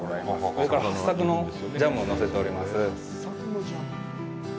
上からハッサクのジャムをのせております。